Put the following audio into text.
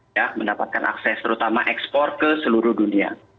ya mendapatkan akses terutama ekspor ke seluruh dunia